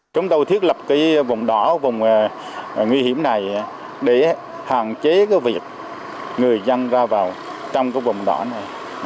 chúng tôi thiết lập cái vùng đỏ vùng nguy hiểm này để hạn chế cái việc người dân ra vào trong cái vùng đỏ này